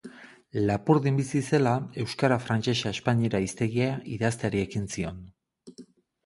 Lapurdin bizi zela Euskara-frantsesa-espainiera hiztegia idazteari ekin zion.